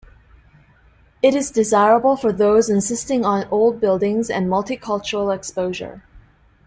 It is desirable for those insisting on old buildings and multi-cultural exposure.